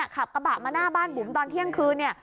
ขับกระบะมาหน้าบ้านบุ๋มตอนเที่ยงคืนเนี่ย